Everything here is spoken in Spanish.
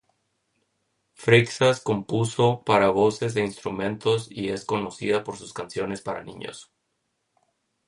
Freixas compuso para voces e instrumentos y es conocida por sus canciones para niños.